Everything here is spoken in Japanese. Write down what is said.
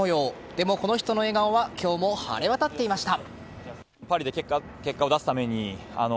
でも、この人の笑顔は今日も晴れ渡っていました。